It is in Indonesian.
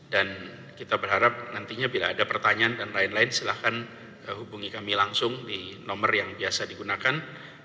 dan kita berharap nantinya bila ada pertanyaan dan lain lain silahkan hubungi kami langsung di nomor yang biasa digunakan satu ratus dua belas